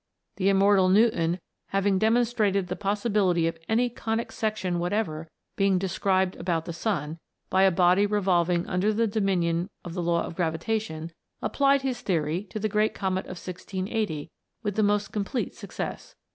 The immortal Newton having demonstrated the possi bility of any conic section whatever being described P 210 A TALE OP A COMET. about the sun, by a body revolving under the domi nion of the law of gravitation, applied his theory to the great Comet of 1680 with the most complete success.